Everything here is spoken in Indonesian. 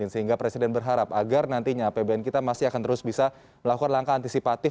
sehingga presiden berharap agar nantinya apbn kita masih akan terus bisa melakukan langkah antisipatif